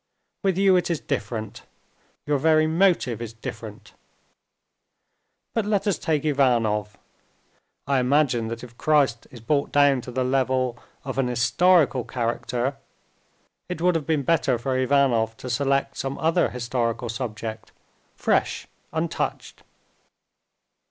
With you it is different. Your very motive is different. But let us take Ivanov. I imagine that if Christ is brought down to the level of an historical character, it would have been better for Ivanov to select some other historical subject, fresh, untouched."